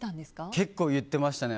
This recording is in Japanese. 結構、言ってましたね